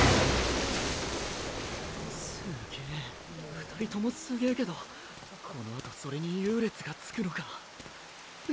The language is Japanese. すげぇ２人ともすげぇけどこのあとそれに優劣がつくのかレースだから！！